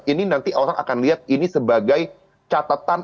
ini nanti orang akan lihat ini sebagai catatan